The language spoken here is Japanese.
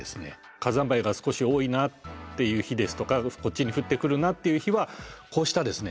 火山灰が少し多いなっていう日ですとかこっちに降ってくるなっていう日はこうしたですね